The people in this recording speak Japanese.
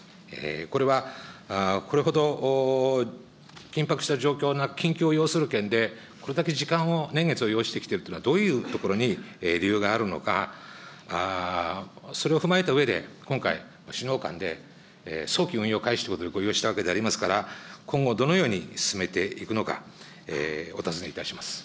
これはこれほど緊迫した状況、緊急を要する件で、これだけ時間を、年月を要してきているというのは、どういうところに理由があるのか、それを踏まえたうえで、今回、首脳間で早期運用開始ということで合意をしたわけでありますから、今後、どのように進めていくのか、お尋ねいたします。